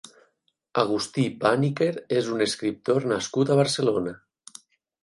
Agustí Pàniker és un escriptor nascut a Barcelona.